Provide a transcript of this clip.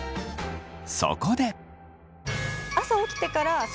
そこで。